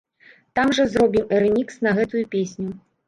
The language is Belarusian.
Там жа зробім і рэмікс на гэтую песню.